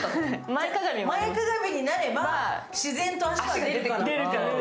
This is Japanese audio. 前かがみになれば自然と足が出てくるって。